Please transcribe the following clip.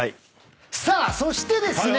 さあそしてですね